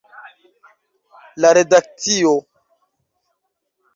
La redakcio.